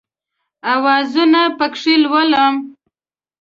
اوازونه پکښې لولم